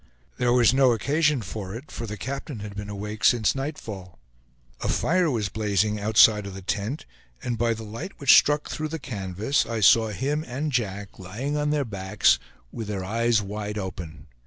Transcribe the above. There was no occasion for it, for the captain had been awake since nightfall. A fire was blazing outside of the tent, and by the light which struck through the canvas, I saw him and Jack lying on their backs, with their eyes wide open.